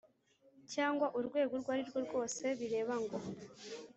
cyangwa urwego urwo ari rwo rwose bireba ngo